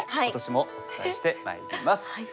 今年もお伝えしてまいります。